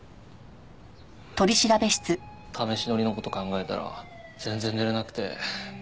試し乗りの事考えたら全然寝れなくて。